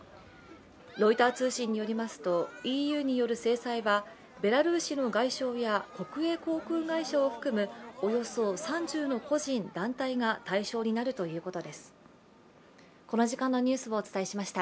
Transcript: ロイター通信によりますとＥＵによる制裁はベラルーシの外相や国営航空会社を含むおよそ３０の個人、団体が対象になるということです。